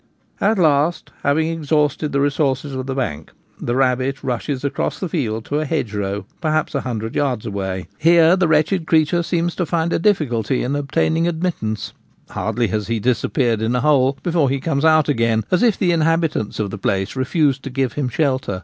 b At last, having exhausted the resources of the bank the rabbit rushes across the field to a hedgerow, perhaps a hundred yards away. Here the wretched creature seems to find a difficulty in obtaining admit tance. Hardly has he disappeared in a hole before he comes out again, as if the inhabitants of the place refused to give him shelter.